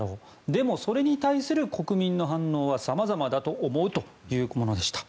でも、それに対する国民の反応は様々だと思うというものでした。